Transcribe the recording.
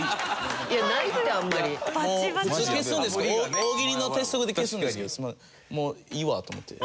大喜利の鉄則で消すんですけどもういいわと思って。